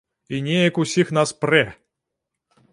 І неяк ўсіх нас прэ!